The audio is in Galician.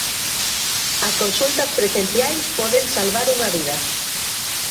As consultas presenciais poden salvar unha vida.